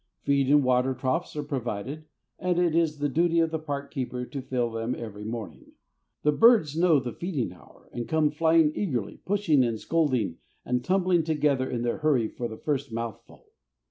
Feed and water troughs are provided, and it is the duty of the park keeper to fill them every morning. The birds know the feeding hour, and come flying eagerly, pushing and scolding, and tumbling together in their hurry for the first mouthful.